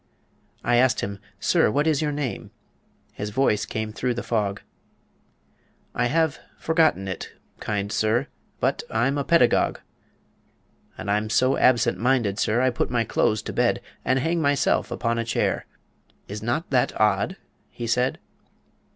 "I asked him, 'Sir, what is your name?' His voice came through the fog: 'I have forgotten it, kind sir, But I'm a Pedagogue. "'And I'm so absent minded, sir, I put my clothes to bed And hang myself upon a chair; Is not that odd?' he said.